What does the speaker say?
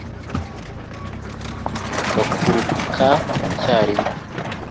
garuka icyarimwe